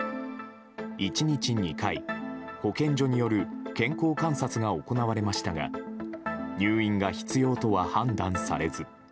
１日２回、保健所による健康観察が行われましたが入院が必要とは判断されず。